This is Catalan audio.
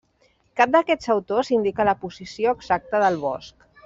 Cap d'aquests autors indica la posició exacta del bosc.